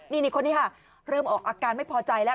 นี่คนนี้ค่ะเริ่มออกอาการไม่พอใจแล้ว